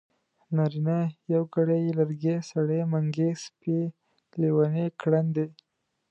نارينه يوګړی ی لرګی سړی منګی سپی لېوانی ګړندی